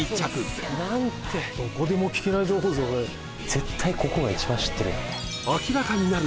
絶対ここが一番知ってるよね